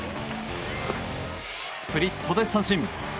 スプリットで三振。